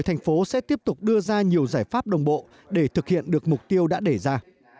thành phố sẽ tiếp tục đưa ra nhiều giải pháp đồng bộ để thực hiện được mục tiêu đã để ra